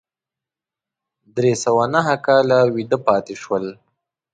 درې سوه نهه کاله ویده پاتې شول.